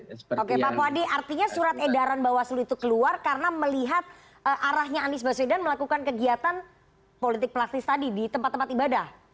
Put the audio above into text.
oke pak puadi artinya surat edaran bawaslu itu keluar karena melihat arahnya anies baswedan melakukan kegiatan politik praktis tadi di tempat tempat ibadah